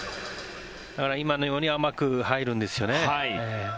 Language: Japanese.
今のように甘く入るんですよね。